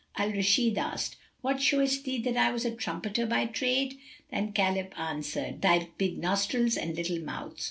Al Rashid asked, "What showed thee that I was a trumpeter by trade?"; and Khalif answered, "Thy big nostrils and little mouth."